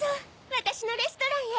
わたしのレストランへ！